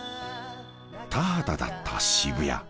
［田畑だった渋谷］